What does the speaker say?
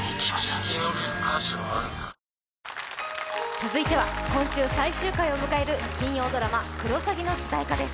続いては今週、最終回を迎える金曜ドラマ「クロサギ」の主題歌です。